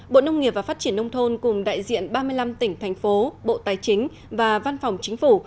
bộ nông nghiệp và phát triển nông thôn cùng đại diện ba mươi năm tỉnh thành phố bộ tài chính và văn phòng chính phủ